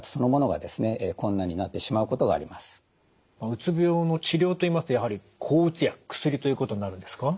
うつ病の治療といいますとやはり抗うつ薬薬ということになるんですか？